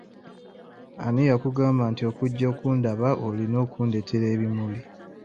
Ani yakugamba nti okujja okundaba olina kundetera bimuli?